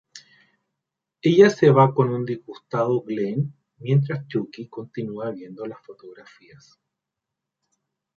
Ella se va con un disgustado Glen mientras Chucky continúa viendo las fotografías.